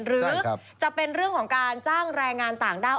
หรือจะเป็นเรื่องของการจ้างแรงงานต่างด้าว